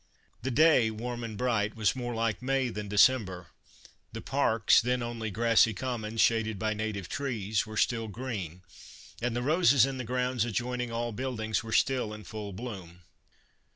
The day, warm and bright, was more like May than December; the parks, then only grassy commons shaded by native trees, were still green, and the roses in the grounds adjoining all buildings were still in full bloom.